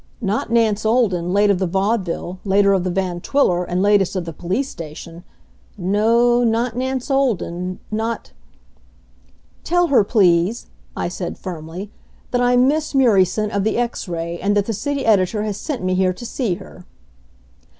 Not Nance Olden, late of the Vaudeville, later of the Van Twiller, and latest of the police station. No not Nance Olden ... not ... "Tell her, please," I said firmly, "that I'm Miss Murieson, of the X Ray, and that the city editor has sent me here to see her."